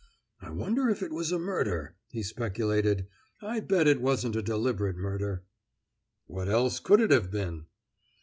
"I wonder if it was a murder?" he speculated. "I bet it wasn't a deliberate murder." "What else could it have been?"